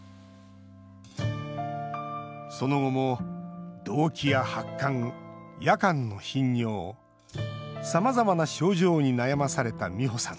その後も、動悸や発汗夜間の頻尿さまざまな症状に悩まされたミホさん。